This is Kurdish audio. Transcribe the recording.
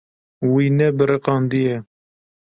Wî nebiriqandiye.